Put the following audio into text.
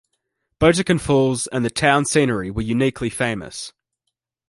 Botocan Falls and the town's scenery were uniquely famous.